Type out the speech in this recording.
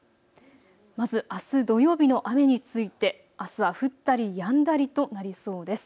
まず、あす土曜日の雨について、あすは降ったりやんだりとなりそうです。